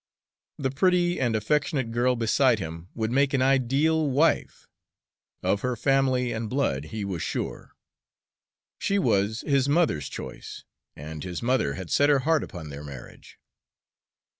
The pretty and affectionate girl beside him would make an ideal wife. Of her family and blood he was sure. She was his mother's choice, and his mother had set her heart upon their marriage.